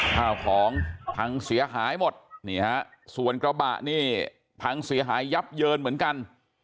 ข้าวของพังเสียหายหมดนี่ฮะส่วนกระบะนี่พังเสียหายยับเยินเหมือนกัน